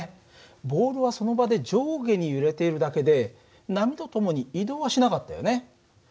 ボールはその場で上下に揺れているだけで波とともに移動はしなかったよね。